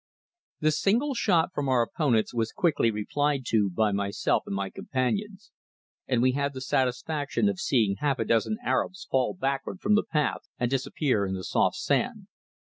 THE single shot from our opponents was quickly replied to by myself and my companions, and we had the satisfaction of seeing half a dozen Arabs fall backward from the path and disappear in the soft sand.